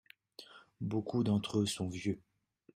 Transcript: Beaucoup d’entre eux sont vieux.